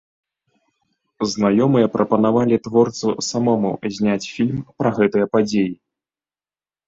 Знаёмыя прапанавалі творцу самому зняць фільм пра гэтыя падзеі.